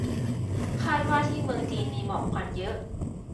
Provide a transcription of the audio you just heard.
คาดว่าที่เมืองจีนมีหมอกควันเยอะ